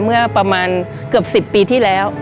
เมื่อประมาณเกือบ๑๐ปีที่แล้ว